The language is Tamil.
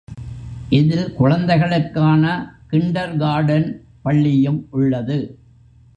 இதில் குழந்தைகளுக்கான கிண்டர் கார்டன் பள்ளியும் உள்ளது.